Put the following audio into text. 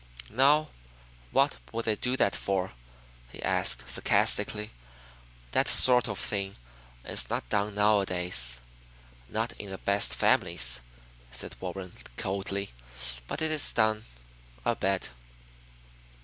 "Now what would they do that for!" he asked sarcastically. "That sort of thing is not done nowadays." "Not in the best families," said Warren coldly. "But it is done, I'll bet."